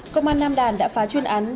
công an nam đàn đã phá chuyên án đấu chế